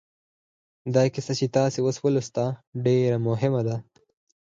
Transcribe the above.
دا کیسه چې تاسې اوس ولوسته ډېره مهمه ده